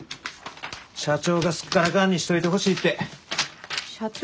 社長がすっからかんにしといてほしいって。社長？